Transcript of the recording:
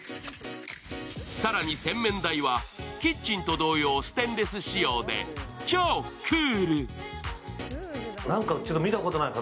更に洗面台は、キッチンと同様ステンレス仕様で超クール。